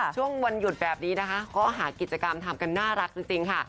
ช่วงวันหยุดแบบนี้นะคะก็หากิจกรรมทำกันน่ารักจริงค่ะ